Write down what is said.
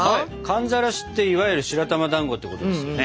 寒ざらしっていわゆる白玉だんごってことですよね。